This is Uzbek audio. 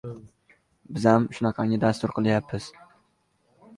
Bu faqat rassom va shoirlargina emas, balki har bir yosh mehnatkashga aloqador.